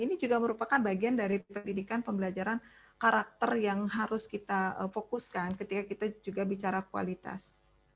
ini juga merupakan bagian dari pendidikan pembelajaran karakter yang harus kita fokuskan ketika kita juga bicara kualitas